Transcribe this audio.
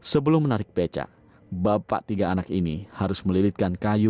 sebelum menarik beca bapak tiga anak ini harus melilitkan kayu